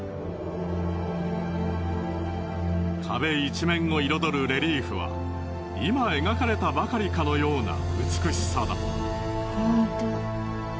壁いちめんを彩るレリーフは今描かれたばかりかのような美しさだ。